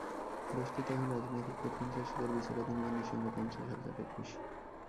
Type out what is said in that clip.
দেশটিতে এখন রাজনৈতিক প্রতিহিংসার শিকার বিচারাধীন বন্দীর সংখ্যা পঞ্চাশ হাজারের বেশি।